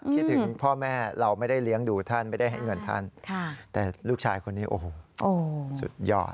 ถึงพ่อแม่เราไม่ได้เลี้ยงดูท่านไม่ได้ให้เงินท่านแต่ลูกชายคนนี้โอ้โหสุดยอด